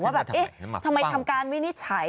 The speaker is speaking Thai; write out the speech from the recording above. ว่าแบบไหนทำการวินิจฉัย